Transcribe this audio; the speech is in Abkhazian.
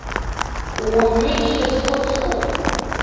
Ууаҩу џьышьа суцхуп.